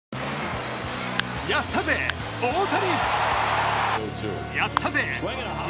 やったぜ、大谷！